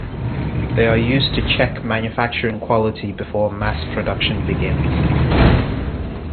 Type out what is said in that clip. They are used to check manufacturing quality before mass production begins.